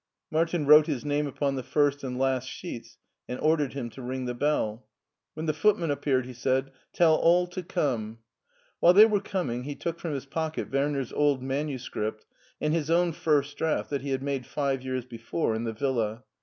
Martin wrote his name upon the first and last sheets and ordered him to ring the bell. When the footman appeared, he said, " Tell all to come.'* While they were coming he took from his pocket Werner's old manuscript and his own first draft that he had made five years before in the villa.